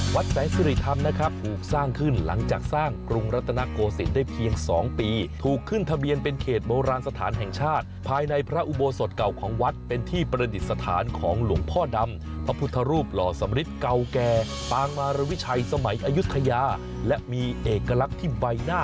แสงสิริธรรมนะครับถูกสร้างขึ้นหลังจากสร้างกรุงรัตนโกศิลปได้เพียง๒ปีถูกขึ้นทะเบียนเป็นเขตโบราณสถานแห่งชาติภายในพระอุโบสถเก่าของวัดเป็นที่ประดิษฐานของหลวงพ่อดำพระพุทธรูปหล่อสำริทเก่าแก่ปางมารวิชัยสมัยอายุทยาและมีเอกลักษณ์ที่ใบหน้า